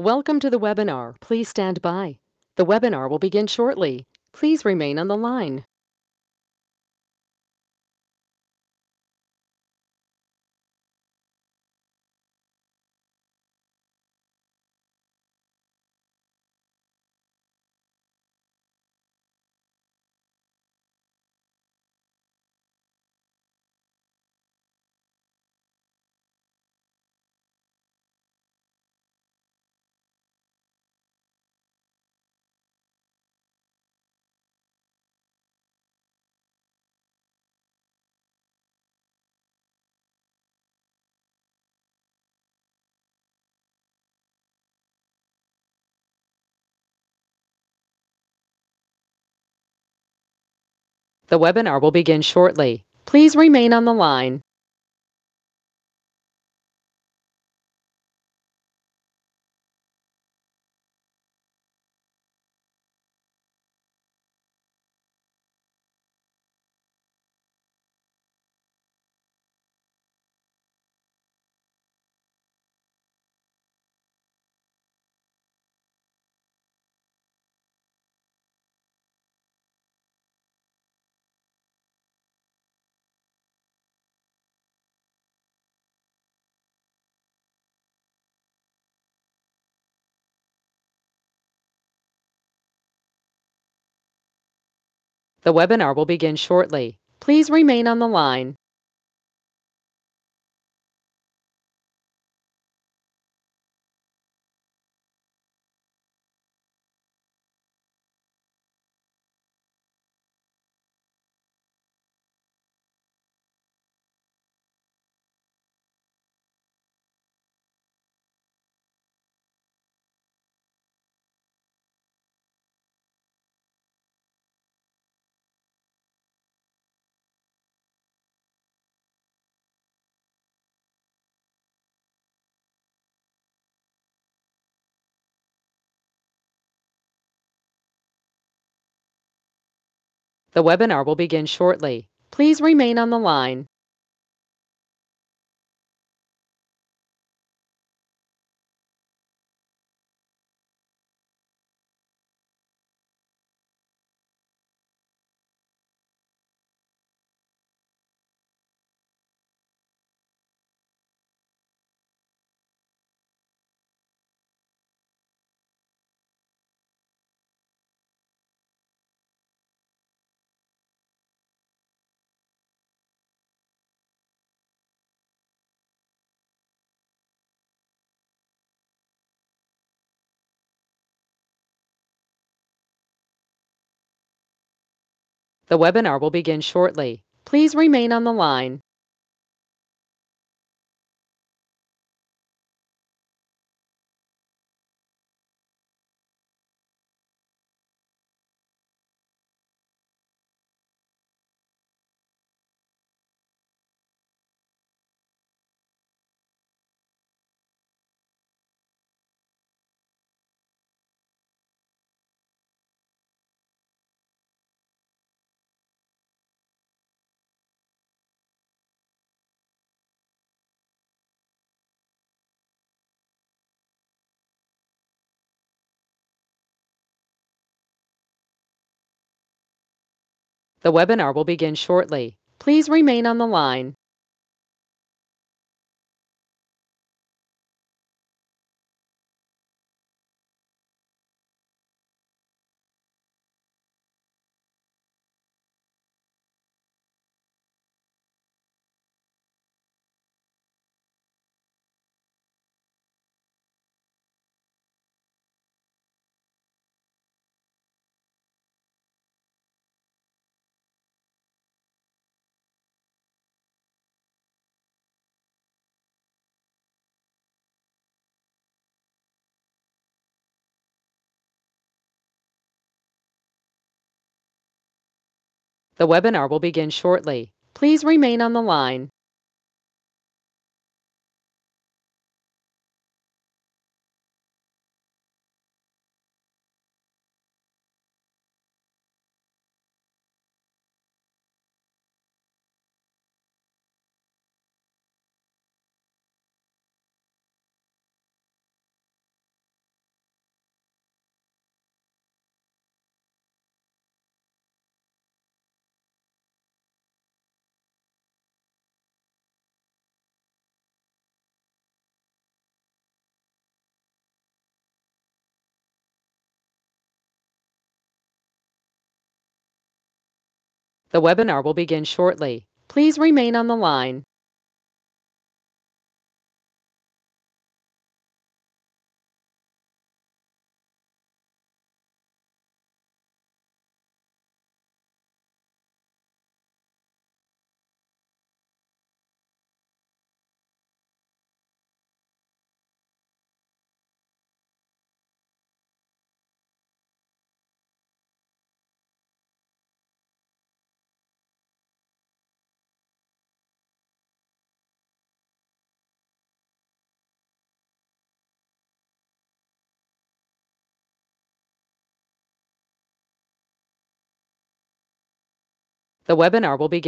Welcome to the webinar. Please stand by. The webinar will begin shortly. Please remain on the line. The webinar will begin shortly. Please remain on the line. The webinar will begin shortly. Please remain on the line. The webinar will begin shortly. Please remain on the line. The webinar will begin shortly. Please remain on the line. The webinar will begin shortly. Please remain on the line. The webinar will begin shortly. Please remain on the line. The webinar will begin shortly. Please remain on the line. The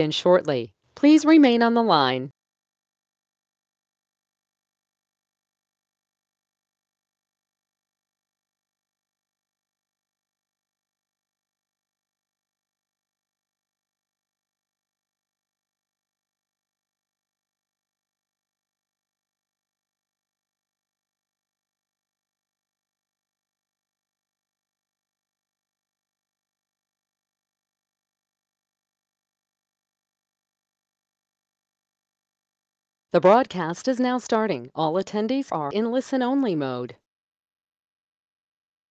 broadcast is now starting. All attendees are in listen-only mode.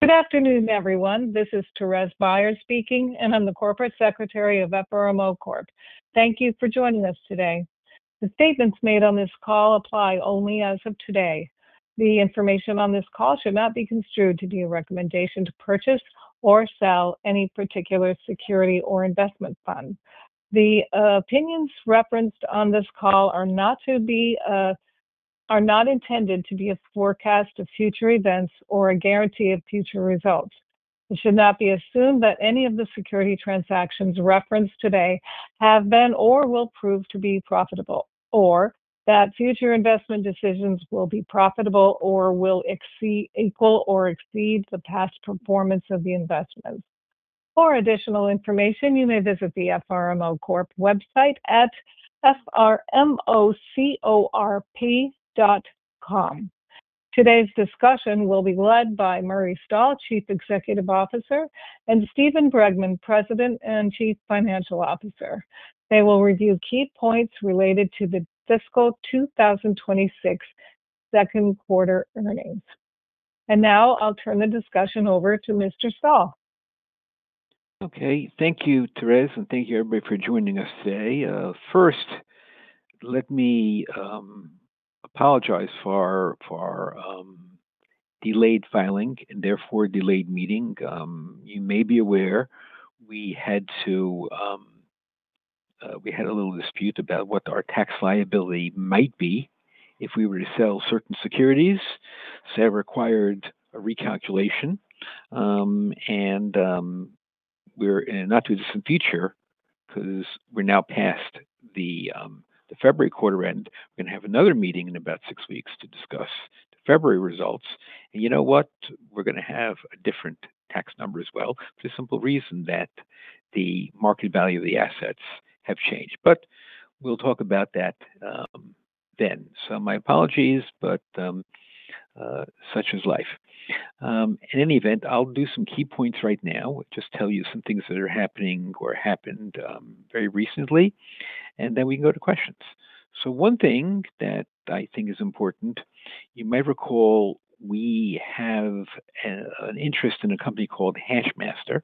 Good afternoon, everyone. This is Thérèse Byars speaking, and I'm the Corporate Secretary of FRMO Corp. Thank you for joining us today. The statements made on this call apply only as of today. The information on this call should not be construed to be a recommendation to purchase or sell any particular security or investment fund. The opinions referenced on this call are not intended to be a forecast of future events or a guarantee of future results. It should not be assumed that any of the security transactions referenced today have been or will prove to be profitable, or that future investment decisions will be profitable or will equal or exceed the past performance of the investments. For additional information, you may visit the FRMO Corp website at FRMOcorp.com. Today's discussion will be led by Murray Stahl, chief executive officer, and Steven Bregman, president and chief financial officer. They will review key points related to the fiscal 2026 second quarter earnings. Now I'll turn the discussion over to Mr. Stahl. Okay. Thank you, Therese, and thank you everybody for joining us today. First let me apologize for delayed filing and therefore delayed meeting. You may be aware we had to we had a little dispute about what our tax liability might be if we were to sell certain securities. That required a recalculation, and we're in a not too distant future 'cause we're now past the February quarter end. We're gonna have another meeting in about 6 weeks to discuss the February results. You know what? We're gonna have a different tax number as well for the simple reason that the market value of the assets have changed. We'll talk about that then. My apologies, but such is life. In any event, I'll do some key points right now. Just tell you some things that are happening or happened very recently, we can go to questions. One thing that I think is important, you may recall we have an interest in a company called HashMaster,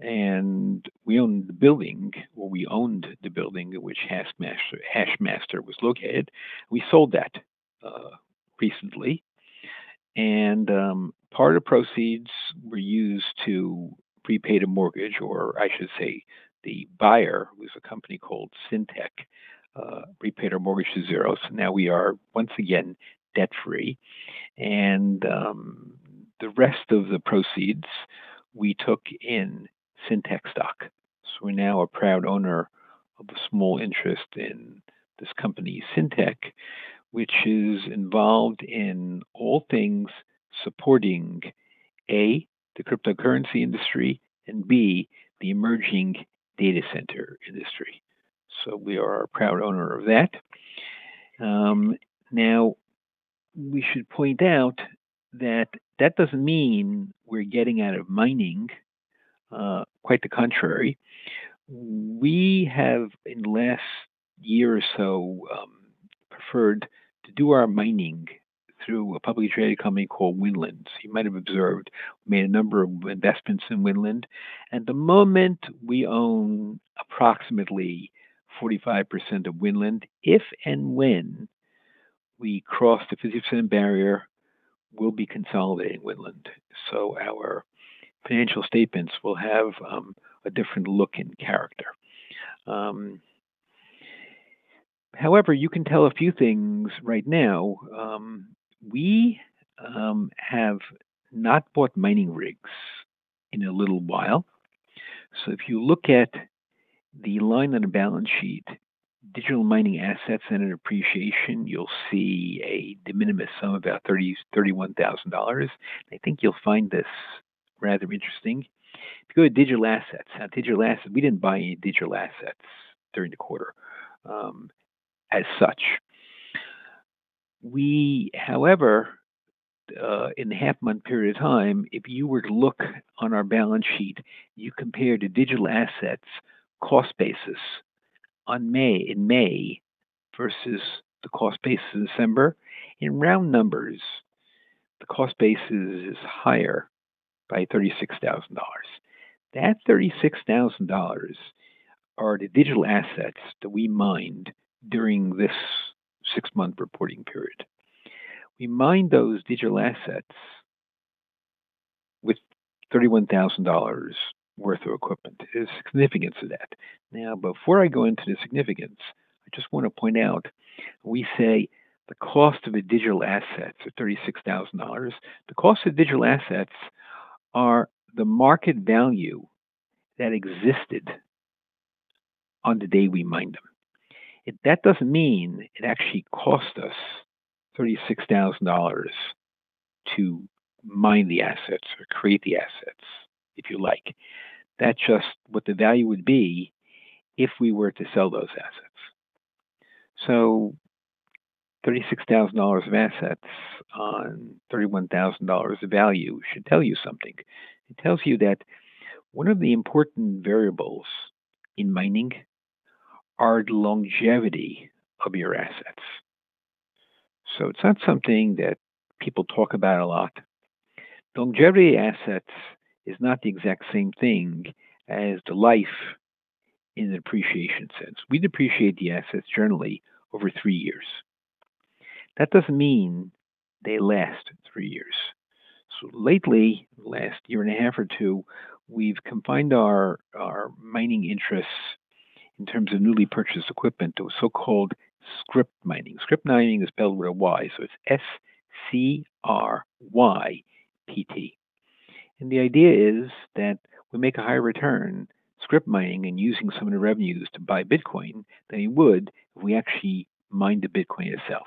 and we own the building or we owned the building in which HashMaster was located. We sold that recently and part of the proceeds were used to prepaid a mortgage, or I should say the buyer was a company called Syntech, prepaid our mortgage to 0. Now we are once again debt-free and the rest of the proceeds we took in Syntech stock. We're now a proud owner of a small interest in this company, Syntech, which is involved in all things supporting, A, the cryptocurrency industry, and B, the emerging data center industry. We are a proud owner of that. Now we should point out that that doesn't mean we're getting out of mining. Quite the contrary. We have in the last year or so preferred to do our mining through a publicly traded company called Winland. You might have observed we made a number of investments in Winland. At the moment, we own approximately 45% of Winland. If and when we cross the 50% barrier, we'll be consolidating Winland, our financial statements will have a different look and character. However, you can tell a few things right now. We have not bought mining rigs in a little while. If you look at the line on the balance sheet, Digital mining assets and an appreciation, you'll see a de minimis sum of about $31,000. I think you'll find this rather interesting. If you go to Digital assets. Digital assets, we didn't buy any Digital assets during the quarter, as such. We, however, in the half month period of time, if you were to look on our balance sheet, you compare the Digital assets cost basis in May versus the cost basis in December. In round numbers, the cost basis is higher by $36,000. That $36,000 are the Digital assets that we mined during this six-month reporting period. We mined those Digital assets with $31,000 worth of equipment. There's significance to that. Before I go into the significance, I just want to point out, we say the cost of the Digital assets are $36,000. The cost of Digital assets are the market value that existed on the day we mined them. That doesn't mean it actually cost us $36,000 to mine the assets or create the assets, if you like. That's just what the value would be if we were to sell those assets. $36,000 of assets on $31,000 of value should tell you something. It tells you that one of the important variables in mining are the longevity of your assets. It's not something that people talk about a lot. Longevity assets is not the exact same thing as the life in an appreciation sense. We depreciate the assets generally over three years. That doesn't mean they last three years. Lately, last year and a half or two, we've confined our mining interests in terms of newly purchased equipment to a so-called Scrypt mining. Scrypt mining is spelled with a Y, so it's S-C-R-Y-P-T. The idea is that we make a higher return Scrypt mining and using some of the revenues to buy Bitcoin than you would if we actually mined the Bitcoin itself.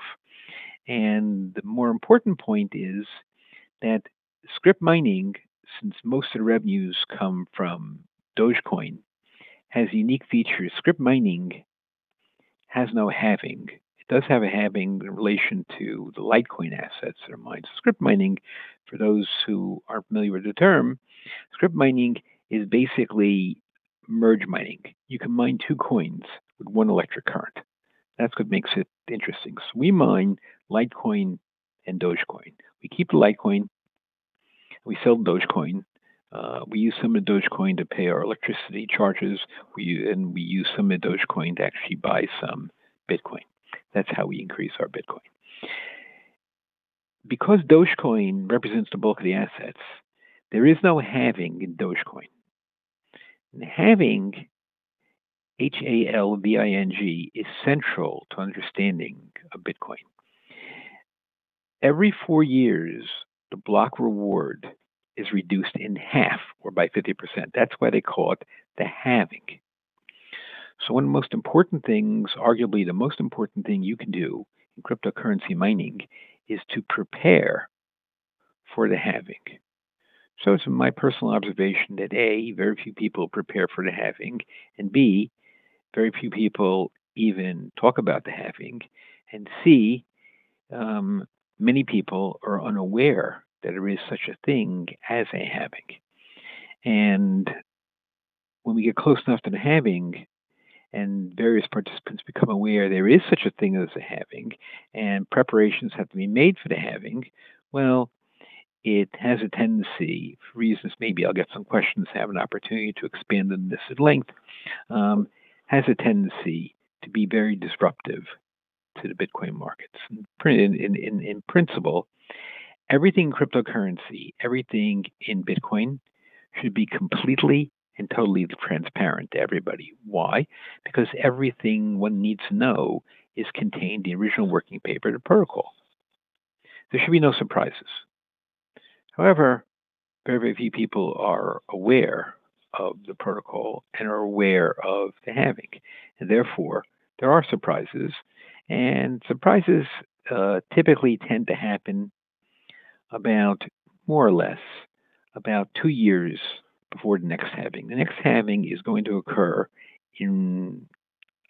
The more important point is that Scrypt mining, since most of the revenues come from Dogecoin, has unique features. Scrypt mining has no halving. It does have a halving in relation to the Litecoin assets that are mined. Scrypt mining, for those who aren't familiar with the term, Scrypt mining is basically merged mining. You can mine two coins with one electric current. That's what makes it interesting. We mine Litecoin and Dogecoin. We keep the Litecoin, we sell Dogecoin. We use some of Dogecoin to pay our electricity charges. We use some of Dogecoin to actually buy some Bitcoin. That's how we increase our Bitcoin. Because Dogecoin represents the bulk of the assets, there is no halving in Dogecoin. Halving, H-A-L-V-I-N-G, is central to understanding of Bitcoin. Every four years, the block reward is reduced in half or by 50%. That's why they call it the halving. One of the most important things, arguably the most important thing you can do in cryptocurrency mining, is to prepare for the halving. It's my personal observation that, A, very few people prepare for the halving, and B, very few people even talk about the halving, and C, many people are unaware that there is such a thing as a halving. When we get close enough to the halving, and various participants become aware there is such a thing as a halving, and preparations have to be made for the halving, well, it has a tendency, for reasons maybe I'll get some questions, have an opportunity to expand on this at length, to be very disruptive to the Bitcoin markets. In principle, everything cryptocurrency, everything in Bitcoin should be completely and totally transparent to everybody. Why? Because everything one needs to know is contained in the original working paper, the protocol. There should be no surprises. However, very few people are aware of the protocol and are aware of the halving, and therefore, there are surprises. Surprises, typically tend to happen about more or less about two years before the next halving. The next halving is going to occur in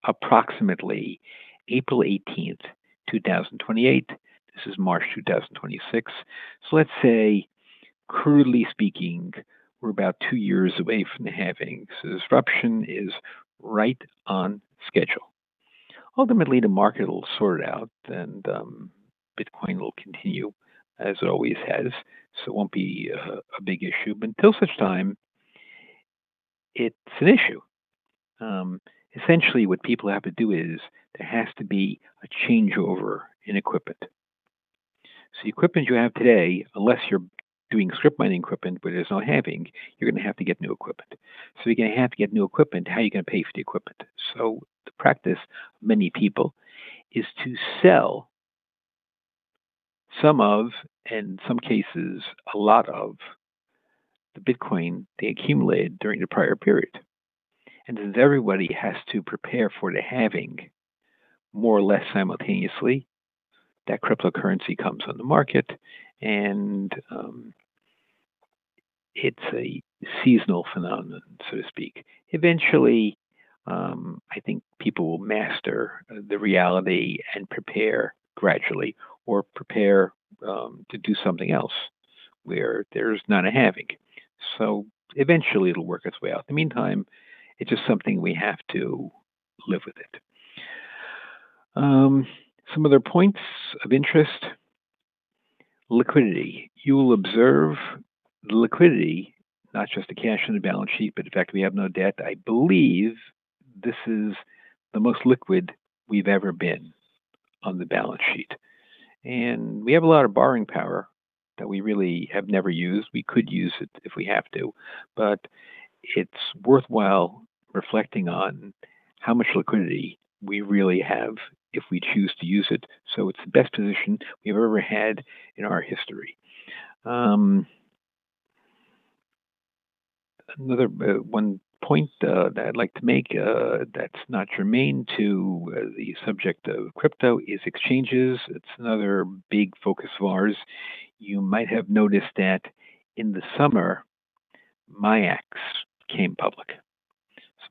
approximately April 18th, 2028. This is March 2026. Let's say crudely speaking, we're about two years away from the halving. Disruption is right on schedule. Ultimately, the market will sort it out and Bitcoin will continue as it always has. It won't be a big issue. Until such time, it's an issue. Essentially what people have to do is there has to be a changeover in equipment. The equipment you have today, unless you're doing Scrypt mining equipment where there's no halving, you're gonna have to get new equipment. You're gonna have to get new equipment. How are you gonna pay for the equipment? The practice of many people is to sell some of, in some cases, a lot of the Bitcoin they accumulated during the prior period. Since everybody has to prepare for the halving more or less simultaneously, that cryptocurrency comes on the market and it's a seasonal phenomenon, so to speak. Eventually, I think people will master the reality and prepare gradually or prepare to do something else where there's not a halving. Eventually it'll work its way out. In the meantime, it's just something we have to live with it. Some other points of interest. Liquidity. You'll observe the liquidity, not just the cash on the balance sheet, but in fact, we have no debt. I believe this is the most liquid we've ever been. On the balance sheet. We have a lot of borrowing power that we really have never used. We could use it if we have to, but it's worthwhile reflecting on how much liquidity we really have if we choose to use it. It's the best position we've ever had in our history. Another one point that I'd like to make that's not germane to the subject of crypto is exchanges. It's another big focus of ours. You might have noticed that in the summer, MIAX came public.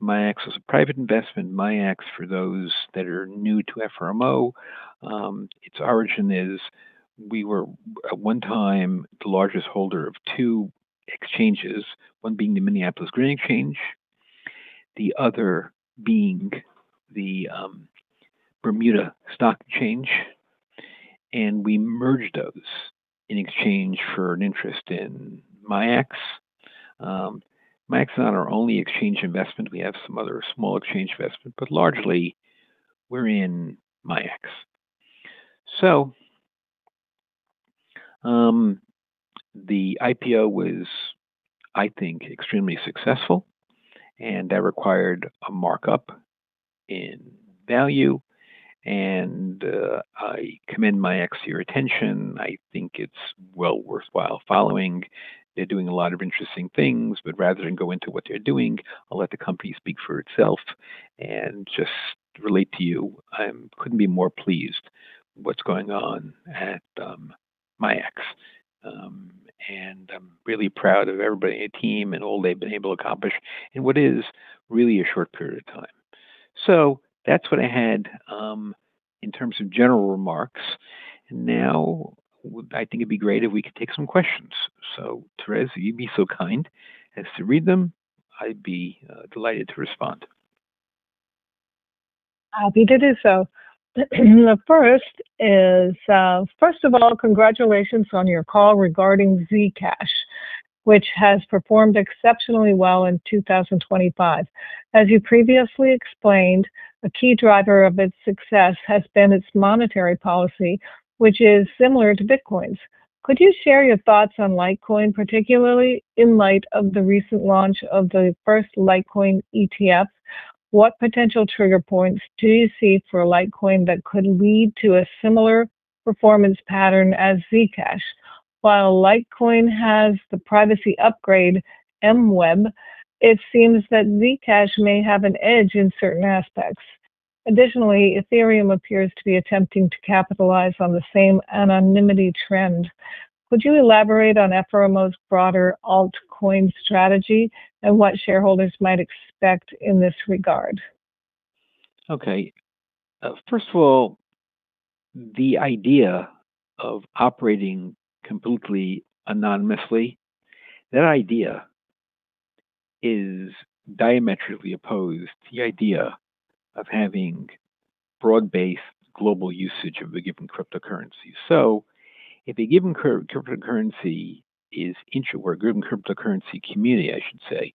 MIAX was a private investment. MIAX, for those that are new to FRMO, its origin is we were at one time the largest holder of two exchanges, one being the Minneapolis Grain Exchange, the other being the Bermuda Stock Exchange. We merged those in exchange for an interest in MIAX. MIAX is not our only exchange investment. We have some other small exchange investment, but largely we're in MIAX. The IPO was, I think, extremely successful, and that required a markup in value, and I commend MIAX to your attention. I think it's well worthwhile following. Rather than go into what they're doing, I'll let the company speak for itself and just relate to you. Couldn't be more pleased what's going on at MIAX. I'm really proud of everybody in the team and all they've been able to accomplish in what is really a short period of time. That's what I had in terms of general remarks. Now, I think it'd be great if we could take some questions. Therese, if you'd be so kind as to read them, I'd be delighted to respond. I'll be glad to do so. The first is, "First of all, congratulations on your call regarding Zcash, which has performed exceptionally well in 2025. As you previously explained, a key driver of its success has been its monetary policy, which is similar to Bitcoin's. Could you share your thoughts on Litecoin, particularly in light of the recent launch of the first Litecoin ETF? What potential trigger points do you see for Litecoin that could lead to a similar performance pattern as Zcash? While Litecoin has the privacy upgrade, MWEB, it seems that Zcash may have an edge in certain aspects. Additionally, Ethereum appears to be attempting to capitalize on the same anonymity trend. Would you elaborate on FRMO's broader altcoin strategy and what shareholders might expect in this regard? First of all, the idea of operating completely anonymously, that idea is diametrically opposed to the idea of having broad-based global usage of a given cryptocurrency. If a given cryptocurrency community, I should say,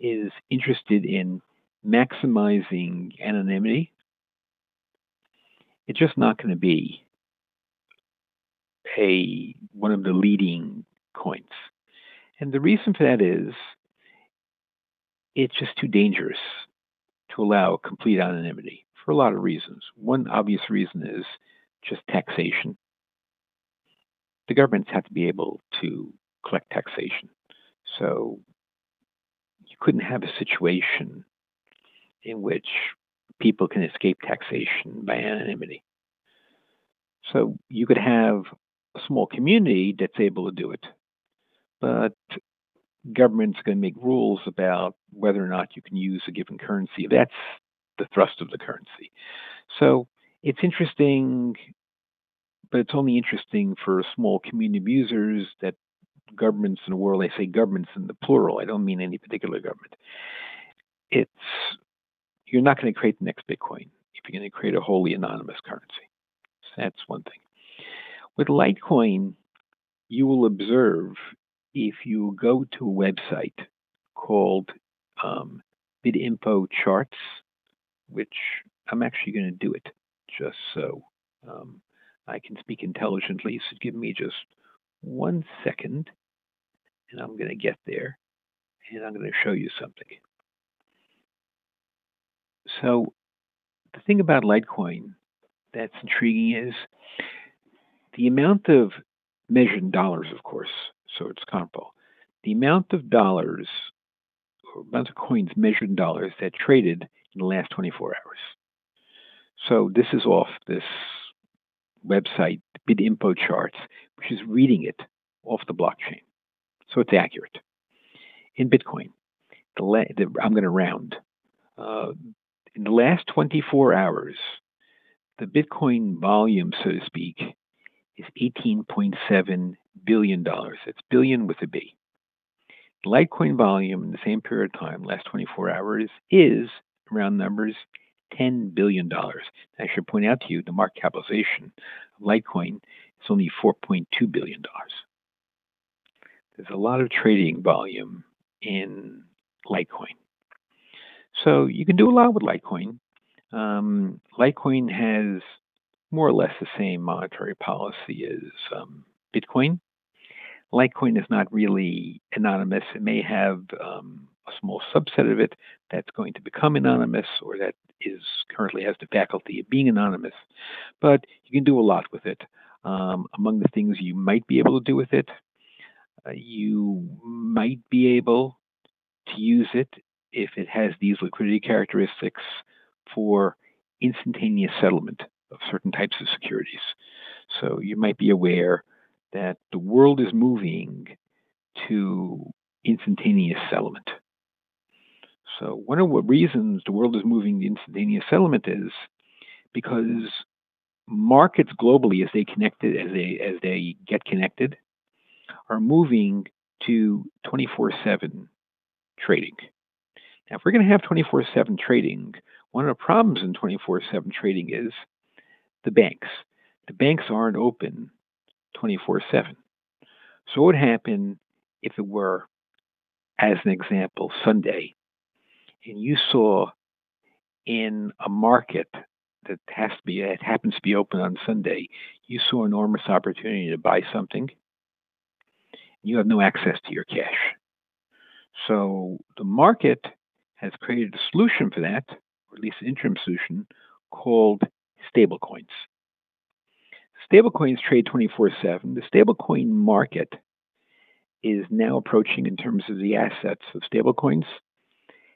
is interested in maximizing anonymity, it's just not gonna be one of the leading coins. The reason for that is it's just too dangerous to allow complete anonymity for a lot of reasons. One obvious reason is just taxation. The governments have to be able to collect taxation. You couldn't have a situation in which people can escape taxation by anonymity. You could have a small community that's able to do it, but government's gonna make rules about whether or not you can use a given currency. That's the thrust of the currency. It's interesting, but it's only interesting for a small community of users that governments in the world. I say governments in the plural, I don't mean any particular government. You're not gonna create the next Bitcoin if you're gonna create a wholly anonymous currency. That's one thing. With Litecoin, you will observe if you go to a website called BitInfoCharts, which I'm actually gonna do it just so I can speak intelligently. Give me just one second, and I'm gonna get there, and I'm gonna show you something. The thing about Litecoin that's intriguing is the amount of measured dollars, of course, so it's comparable. The amount of dollars or amount of coins measured in dollars that traded in the last 24 hours. This is off this website, BitInfoCharts, which is reading it off the blockchain. It's accurate. In Bitcoin, I'm gonna round. In the last 24 hours, the Bitcoin volume, so to speak, is $18.7 billion. That's billion with a B. Litecoin volume in the same period of time, last 24 hours, is, round numbers, $10 billion. I should point out to you the market capitalization of Litecoin is only $4.2 billion. There's a lot of trading volume in Litecoin. You can do a lot with Litecoin. Litecoin has more or less the same monetary policy as Bitcoin. Litecoin is not really anonymous. It may have a small subset of it that's going to become anonymous or that is currently has the faculty of being anonymous. You can do a lot with it. Among the things you might be able to do with it, you might be able to use it if it has these liquidity characteristics for instantaneous settlement of certain types of securities. You might be aware that the world is moving to instantaneous settlement. One of the reasons the world is moving to instantaneous settlement is because markets globally, as they get connected, are moving to 24/7 trading. If we're gonna have 24/7 trading, one of the problems in 24/7 trading is the banks. The banks aren't open 24/7. What would happen if it were, as an example, Sunday and you saw in a market that happens to be open on Sunday, you saw enormous opportunity to buy something and you have no access to your cash. The market has created a solution for that, or at least an interim solution, called stablecoins. Stablecoins trade 24/7. The stablecoin market is now approaching in terms of the assets of stablecoins,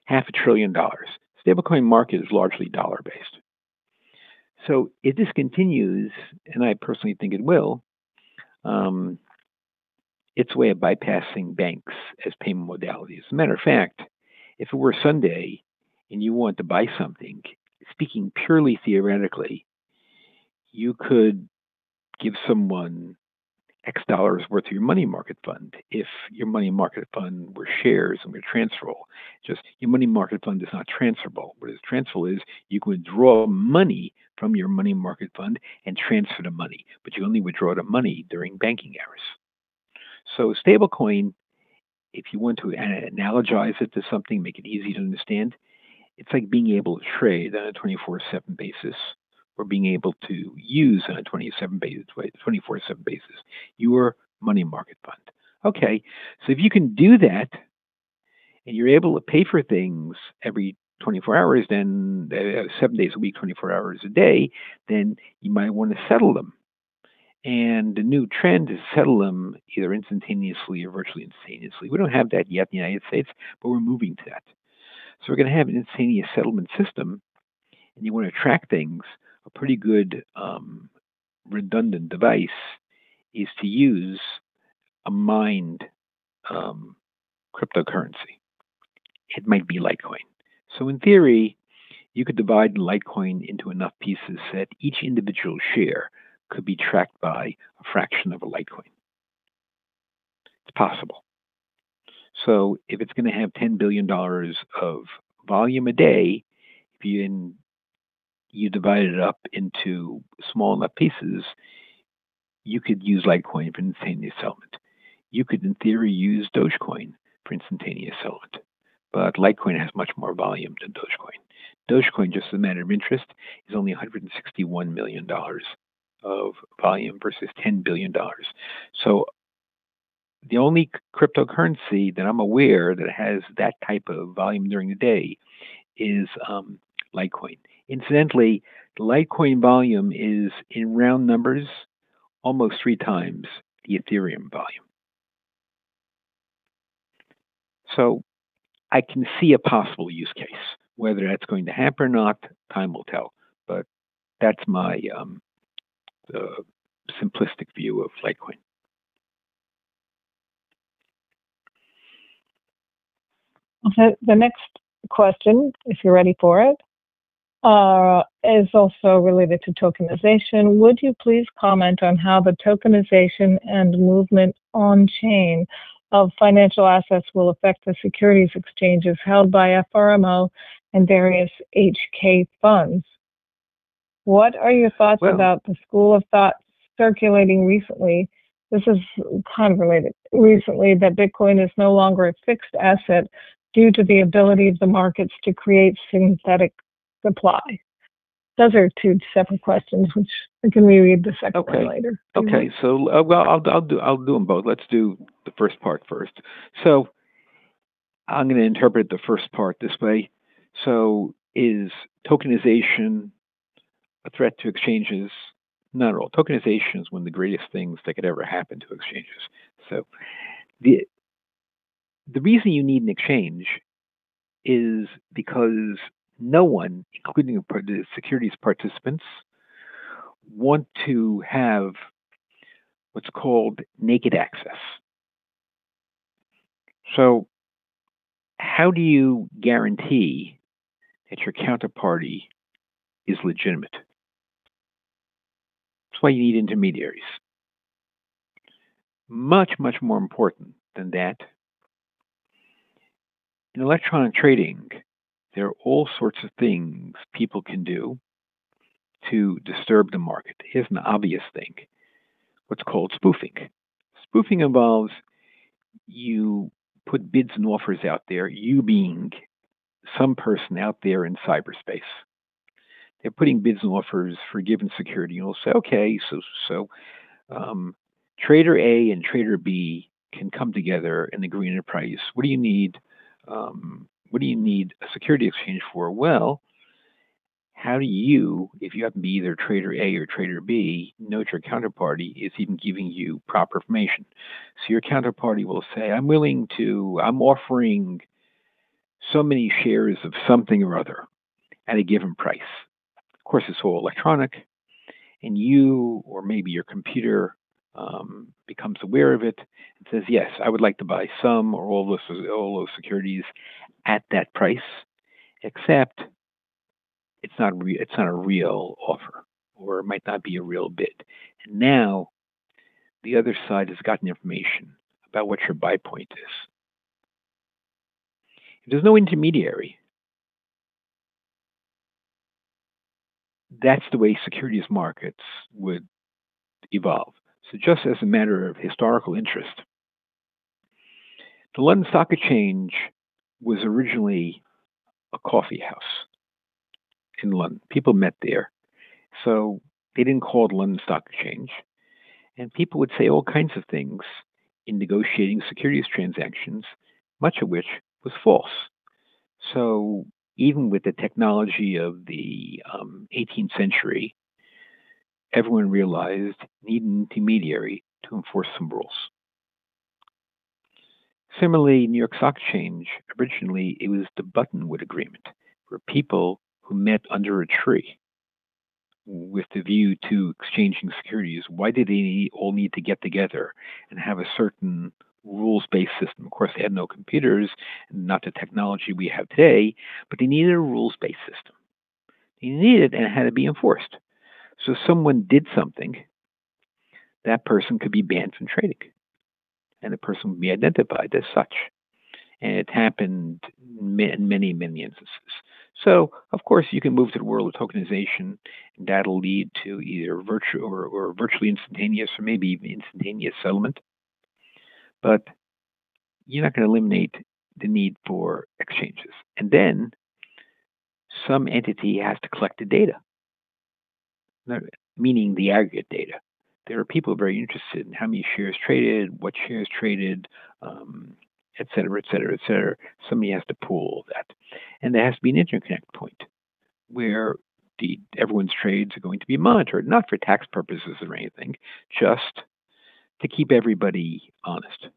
half a trillion dollars. Stablecoin market is largely dollar-based. If this continues, and I personally think it will, it's a way of bypassing banks as payment modalities. As a matter of fact, if it were Sunday and you want to buy something, speaking purely theoretically, you could give someone X dollars worth of your money market fund if your money market fund were shares and were transferable. Just your money market fund is not transferable. What is transferable is you can withdraw money from your money market fund and transfer the money, but you only withdraw the money during banking hours. Stablecoin, if you want to analogize it to something, make it easy to understand, it's like being able to trade on a 24/7 basis or being able to use on a 24/7 basis your money market fund. Okay. If you can do that and you're able to pay for things every 24 hours, then, 7 days a week, 24 hours a day, then you might wanna settle them. The new trend is settle them either instantaneously or virtually instantaneously. We don't have that yet in the United States, but we're moving to that. We're gonna have an instantaneous settlement system, and you wanna track things. A pretty good, redundant device is to use a mined cryptocurrency. It might be Litecoin. In theory, you could divide Litecoin into enough pieces that each individual share could be tracked by a fraction of a Litecoin. It's possible. If it's gonna have $10 billion of volume a day, if you then divide it up into small enough pieces, you could use Litecoin for instantaneous settlement. You could, in theory, use Dogecoin for instantaneous settlement. Litecoin has much more volume than Dogecoin. Dogecoin, just as a matter of interest, is only $161 million of volume versus $10 billion. The only cryptocurrency that I'm aware that has that type of volume during the day is Litecoin. Incidentally, the Litecoin volume is, in round numbers, almost three times the Ethereum volume. I can see a possible use case. Whether that's going to happen or not, time will tell. That's my simplistic view of Litecoin. The next question, if you're ready for it, is also related to tokenization. Would you please comment on how the tokenization and movement On-chain of financial assets will affect the securities exchanges held by FRMO and various HK funds? What are your thoughts about the school of thought circulating recently, this is kind of related, recently that Bitcoin is no longer a fixed asset due to the ability of the markets to create synthetic supply? Those are two separate questions, which we can reread the second one later. Okay. Okay. Well, I'll do them both. Let's do the first part first. I'm gonna interpret the first part this way. Is tokenization a threat to exchanges? Not at all. Tokenization is one of the greatest things that could ever happen to exchanges. The reason you need an exchange is because no one, including the securities participants, want to have what's called naked access. How do you guarantee that your counterparty is legitimate? That's why you need intermediaries. Much more important than that. In electronic trading, there are all sorts of things people can do to disturb the market. Here's an obvious thing, what's called spoofing. Spoofing involves you put bids and offers out there, you being some person out there in cyberspace. They're putting bids and offers for a given security, and you'll say, "Okay, so Trader A and Trader B can come together and agree on a price." What do you need, what do you need a security exchange for? Well, how do you, if you happen to be either Trader A or Trader B, know that your counterparty is even giving you proper information? Your counterparty will say, "I'm willing to... I'm offering so many shares of something or other at a given price." Of course, it's all electronic, and you or maybe your computer becomes aware of it and says, "Yes, I would like to buy some or all those securities at that price," except it's not a real offer or it might not be a real bid. The other side has gotten information about what your buy point is. If there's no intermediary, that's the way securities markets would evolve. As a matter of historical interest, the London Stock Exchange was originally a coffee house in London. People met there, so they didn't call it London Stock Exchange. People would say all kinds of things in negotiating securities transactions, much of which was false. Even with the technology of the 18th century, everyone realized you need an intermediary to enforce some rules. Similarly, New York Stock Exchange, originally it was the Buttonwood Agreement, where people who met under a tree with the view to exchanging securities, why did they all need to get together and have a certain rules-based system? Of course, they had no computers, not the technology we have today, but they needed a rules-based system. They needed it. It had to be enforced. If someone did something, that person could be banned from trading, and the person would be identified as such. It happened in many, many instances. Of course, you can move to the world of tokenization. That'll lead to either virtually instantaneous or maybe even instantaneous settlement. You're not gonna eliminate the need for exchanges. Some entity has to collect the data, meaning the aggregate data. There are people very interested in how many shares traded, what shares traded, et cetera, et cetera, et cetera. Somebody has to pool all that. There has to be an interconnect point where the, everyone's trades are going to be monitored, not for tax purposes or anything, just to keep everybody honest.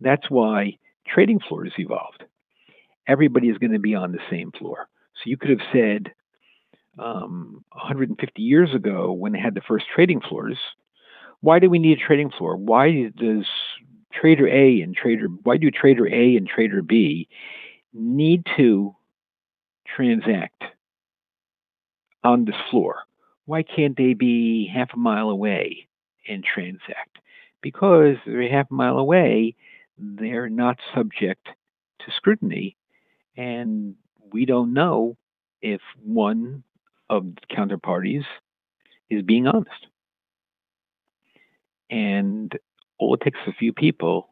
That's why trading floors evolved. Everybody is gonna be on the same floor. You could have said, 150 years ago when they had the first trading floors, "Why do we need a trading floor? Why do Trader A and Trader B need to transact on this floor? Why can't they be half a mile away and transact?" Because if they're half a mile away, they're not subject to scrutiny, and we don't know if one of the counterparties is being honest. All it takes is a few people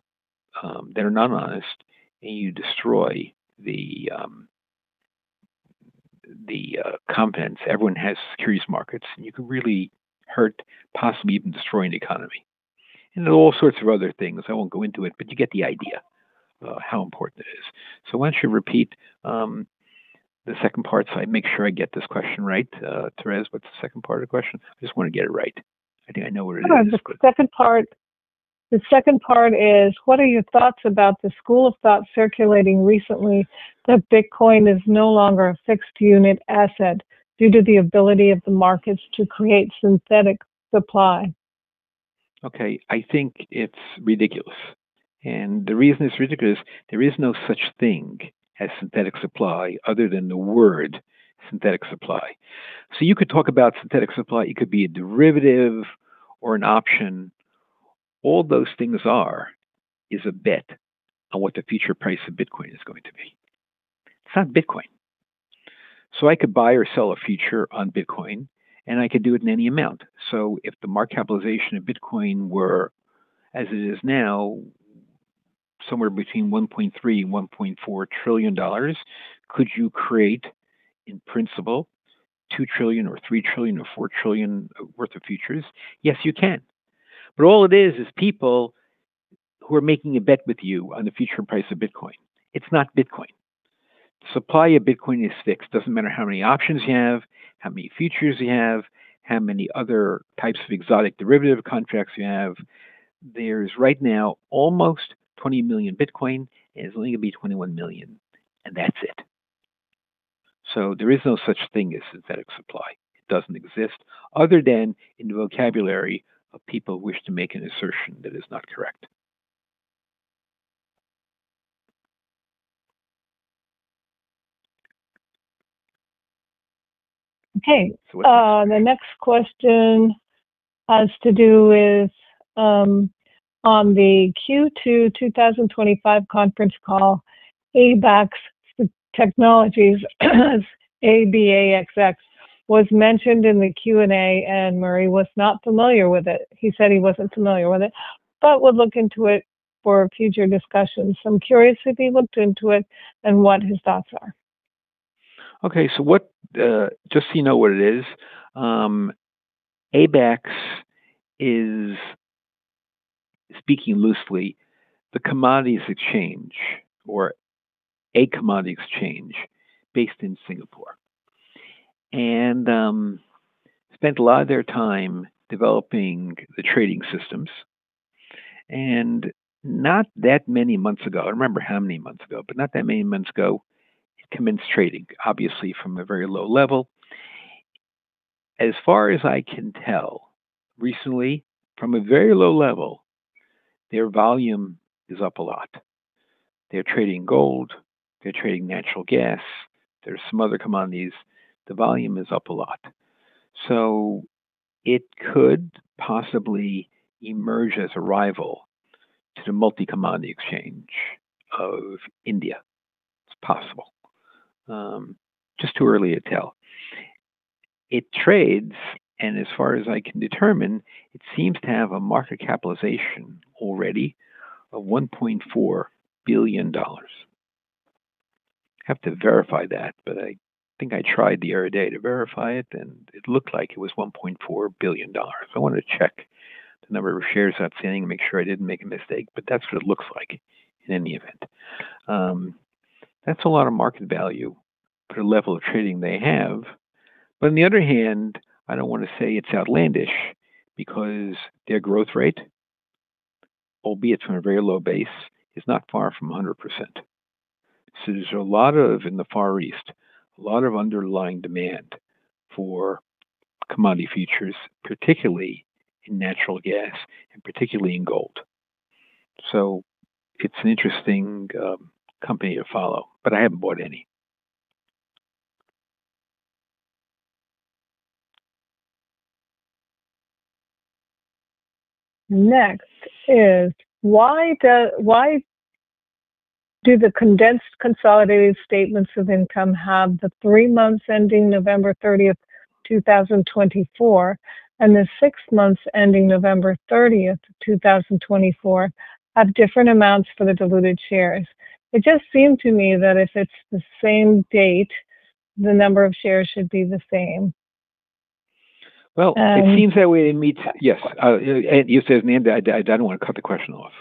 that are not honest, and you destroy the confidence everyone has in securities markets, and you can really hurt, possibly even destroy an economy. There are all sorts of other things. I won't go into it, but you get the idea, how important it is. Why don't you repeat, the second part so I make sure I get this question right? Thérèse, what's the second part of the question? I just wanna get it right. I think I know where it is. The second part is, what are your thoughts about the school of thought circulating recently that Bitcoin is no longer a fixed unit asset due to the ability of the markets to create synthetic supply? Okay, I think it's ridiculous. The reason it's ridiculous, there is no such thing as synthetic supply other than the word synthetic supply. You could talk about synthetic supply. It could be a derivative or an option. All those things are is a bet on what the future price of Bitcoin is going to be. It's not Bitcoin. I could buy or sell a future on Bitcoin, and I could do it in any amount. If the market capitalization of Bitcoin were, as it is now, somewhere between $1.3 trillion and $1.4 trillion, could you create, in principle, $2 trillion or $3 trillion or $4 trillion worth of futures? Yes, you can. All it is people who are making a bet with you on the future price of Bitcoin. It's not Bitcoin. The supply of Bitcoin is fixed. Doesn't matter how many options you have, how many futures you have, how many other types of exotic derivative contracts you have. There's right now almost 20 million Bitcoin. It's only gonna be 21 million, and that's it. There is no such thing as synthetic supply. It doesn't exist other than in the vocabulary of people who wish to make an assertion that is not correct. Okay. The next question has to do with on the Q2 2025 conference call, Abaxx Technologies Abaxx was mentioned in the Q&A, and Murray was not familiar with it. He said he wasn't familiar with it, but would look into it for future discussions. I'm curious if he looked into it and what his thoughts are. Okay. Just so you know what it is, Abaxx is, speaking loosely, the commodities exchange or a commodity exchange based in Singapore. Spent a lot of their time developing the trading systems. Not that many months ago, I don't remember how many months ago, but not that many months ago, it commenced trading, obviously from a very low level. As far as I can tell, recently, from a very low level, their volume is up a lot. They're trading gold. They're trading natural gas. There's some other commodities. The volume is up a lot. It could possibly emerge as a rival to the Multi Commodity Exchange of India. It's possible. Just too early to tell. It trades, and as far as I can determine, it seems to have a market capitalization already of $1.4 billion. I have to verify that, but I think I tried the other day to verify it, and it looked like it was $1.4 billion. I want to check the number of shares outstanding to make sure I didn't make a mistake, but that's what it looks like in any event. That's a lot of market value for the level of trading they have. On the other hand, I don't want to say it's outlandish because their growth rate, albeit from a very low base, is not far from 100%. There's a lot of, in the Far East, a lot of underlying demand for commodity futures, particularly in natural gas and particularly in gold. It's an interesting company to follow, but I haven't bought any. Next is why do the condensed consolidated statements of income have the 3 months ending November 30th, 2024, and the 6 months ending November 30th, 2024, have different amounts for the diluted shares? It just seemed to me that if it's the same date, the number of shares should be the same. Well, it seems that way to me. Yes. You said... I don't want to cut the question off.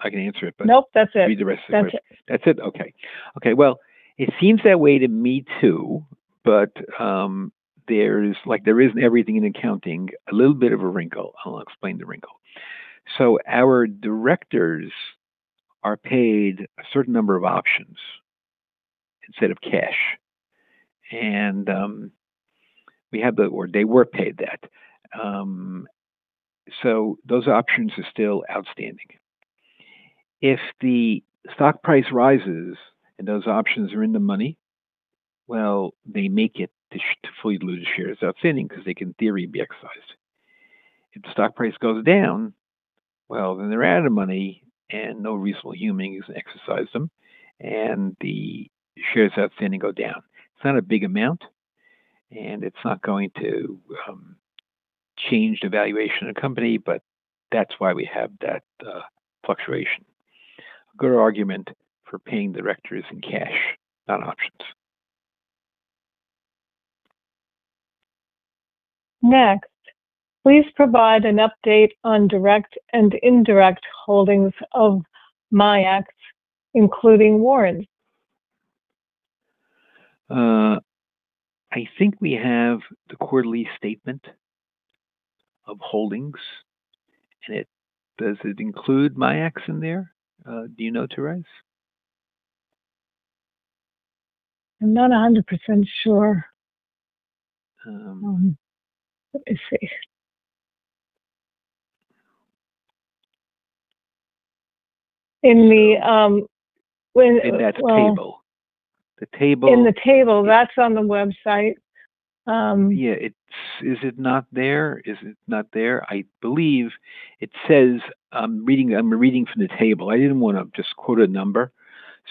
I can answer it. Nope. That's it. read the rest of the question. That's it. That's it? Okay. Okay. Well, it seems that way to me, too, but, there's, like there is in everything in accounting, a little bit of a wrinkle. I'll explain the wrinkle. Our directors are paid a certain number of options instead of cash, and, we have the... Or they were paid that. Those options are still outstanding. If the stock price rises and those options are in the money, well, they make it to fully lose shares outstanding because they can, in theory, be exercised. If the stock price goes down, well, then they're out of money and no reasonable human is gone exercise them, and the shares outstanding go down. It's not a big amount, and it's not going to, change the valuation of the company, but that's why we have that, fluctuation. Good argument for paying directors in cash, not options. Please provide an update on direct and indirect holdings of MIAX, including warrants. I think we have the quarterly statement of holdings. Does it include MIAX in there? Do you know, Therese? I'm not 100% sure. Let me see. In the. In that table. In the table. That's on the website. Yeah. Is it not there? I believe it says, I'm reading from the table. I didn't want to just quote a number.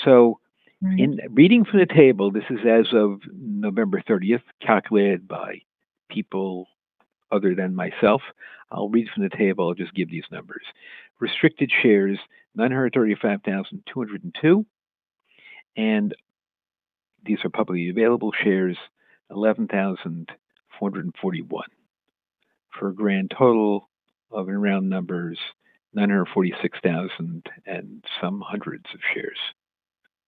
Right In reading from the table, this is as of November thirtieth, calculated by people other than myself. I'll read from the table. I'll just give these numbers. Restricted shares, 935,202. These are publicly available shares, 11,441, for a grand total of, in round numbers, 946,000 and some hundreds of shares.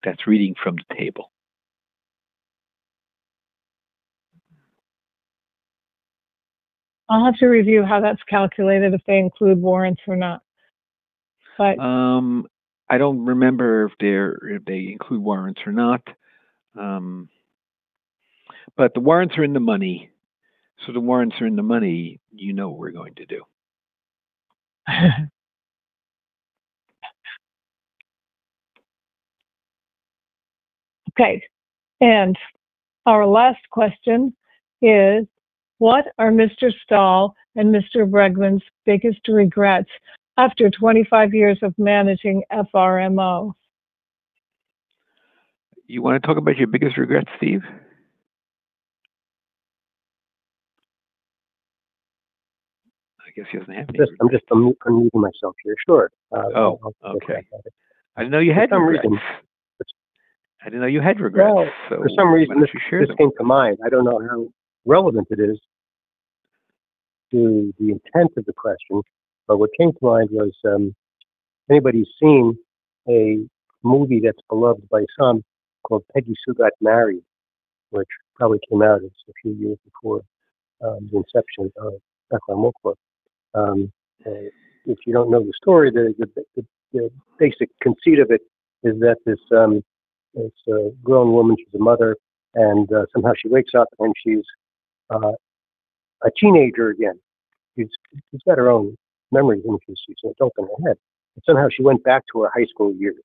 That's reading from the table. I'll have to review how that's calculated, if they include warrants or not. I don't remember if they include warrants or not. The warrants are in the money. The warrants are in the money. You know what we're going to do. Okay. Our last question is: What are Mr. Stahl and Mr. Bregman's biggest regrets after 25 years of managing FRMO? You wanna talk about your biggest regrets, Steve? I guess he doesn't have any. I'm just, I'm muting myself here. Sure. Oh, okay. I didn't know you had regrets. Well, for some reason, this came to mind. I don't know how relevant it is to the intent of the question, but what came to mind was, anybody seen a movie that's beloved by some called Peggy Sue Got Married, which probably came out just a few years before, the inception of FRMO. If you don't know the story, the basic conceit of it is that this grown woman, she's a mother, and somehow she wakes up, and she's a teenager again. She's got her own memory issues. She's open ahead. Somehow she went back to her high school years,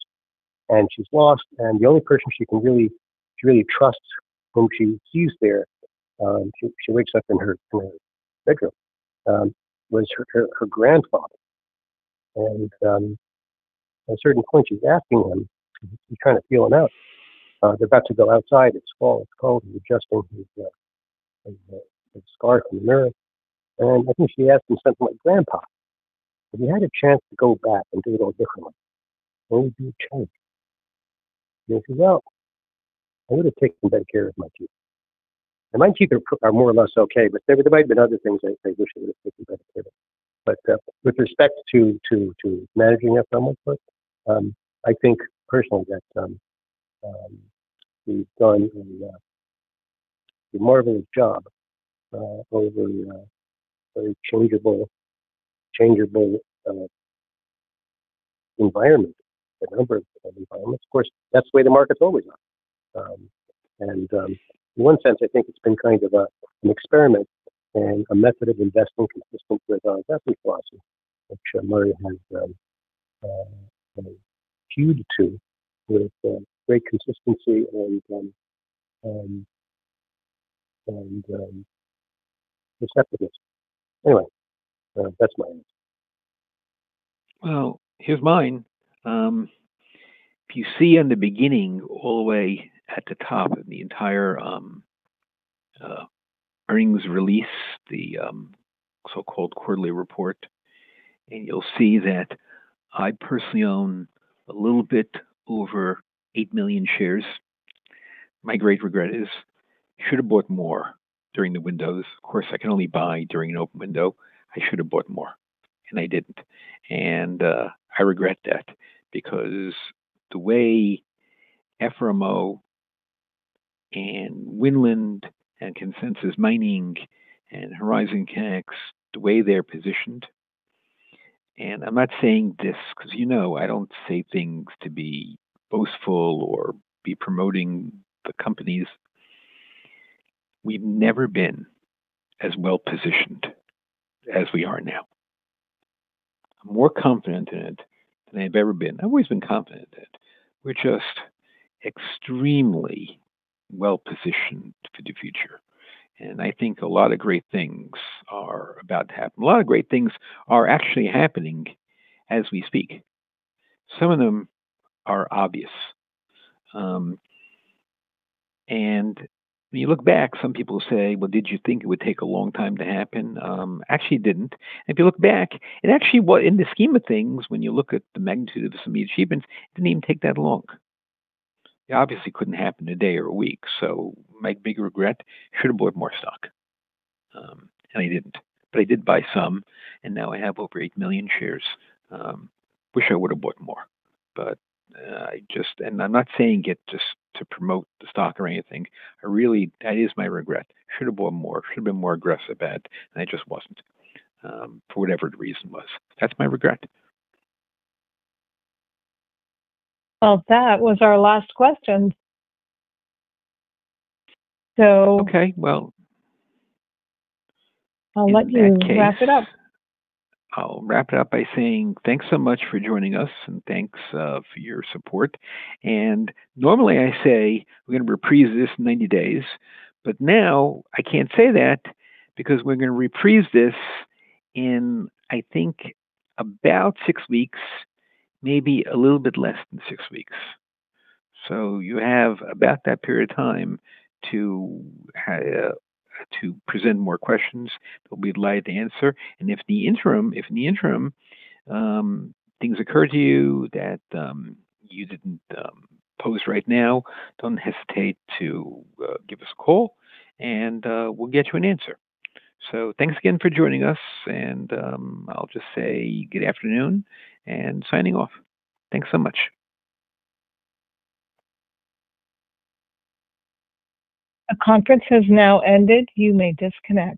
and she's lost. The only person she can really, she really trusts, who she sees there, she wakes up in her, in her bedroom, was her grandfather. At a certain point, she's asking him. She's kinda feeling out. They're about to go outside. It's fall, it's cold. He's adjusting his scarf and mirror. I think she asked him something like, "Grandpa, if you had a chance to go back and do it all differently, what would you change?" He says, "Well, I would have taken better care of my teeth." My teeth are more or less okay, but there might have been other things I wish I would've taken better care of. With respect to managing FRMO, I think personally that we've done a marvelous job over a changeable environment. A number of environments. Of course, that's the way the market's always been. In one sense, I think it's been kind of a, an experiment and a method of investing consistent with our investment process, which Murray has kind of hewed to with great consistency and receptiveness. Anyway, that's my answer. Here's mine. If you see in the beginning all the way at the top of the entire earnings release, the so-called quarterly report, you'll see that I personally own a little bit over 8 million shares. My great regret is I should have bought more during the windows. Of course, I can only buy during an open window. I should have bought more, I didn't. I regret that because the way FRMO and Winland and Consensus Mining and Horizon Canex, the way they're positioned... I'm not saying this cause you know I don't say things to be boastful or be promoting the companies. We've never been as well-positioned as we are now. I'm more confident in it than I've ever been. I've always been confident in it. We're just extremely well-positioned for the future, and I think a lot of great things are about to happen. A lot of great things are actually happening as we speak. Some of them are obvious. When you look back, some people say, "Well, did you think it would take a long time to happen?" Actually, it didn't. If you look back, it actually in the scheme of things, when you look at the magnitude of some of the achievements, it didn't even take that long. It obviously couldn't happen a day or a week. My big regret, should have bought more stock, and I didn't. I did buy some, and now I have over 8 million shares. Wish I would've bought more. I just... I'm not saying it just to promote the stock or anything. I really... That is my regret. Should have bought more, should have been more aggressive at, and I just wasn't, for whatever the reason was. That's my regret. Well, that was our last question. Okay. I'll let you wrap it up. in that case, I'll wrap it up by saying thanks so much for joining us, and thanks for your support. Normally I say we're gone reprise this in 90 days, but now I can't say that because we're gone reprise this in, I think, about 6 weeks, maybe a little bit less than 6 weeks. You have about that period of time to present more questions that we'd like to answer. If the interim, if in the interim, things occur to you that you didn't pose right now, don't hesitate to give us a call, and we'll get you an answer. Thanks again for joining us, and I'll just say good afternoon and signing off. Thanks so much. The conference has now ended. You may disconnect.